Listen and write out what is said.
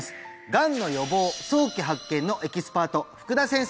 がんの予防早期発見のエキスパート福田先生です